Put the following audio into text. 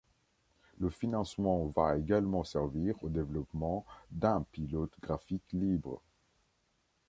Le financement va également servir au développement d'un pilote graphique libre.